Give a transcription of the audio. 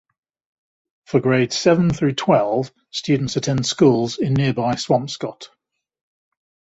For grades seven through twelve, students attend schools in nearby Swampscott.